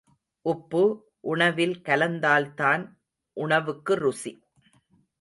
உப்பு, உணவில் கலந்தால்தான் உணவுக்கு ருசி.